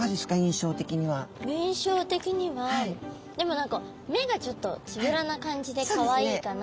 印象的にはでも何か目がちょっとつぶらな感じでかわいいかなっていう。